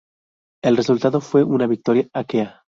El resultado fue una victoria aquea.